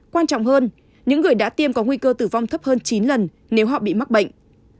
quan trọng hơn những người đã tiêm có nguy cơ tử vong thấp hơn chín lần nếu họ bị mắc bệnh